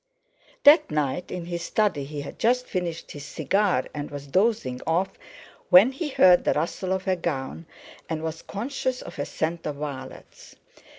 That night in his study he had just finished his cigar and was dozing off, when he heard the rustle of a gown, and was conscious of a scent of violets.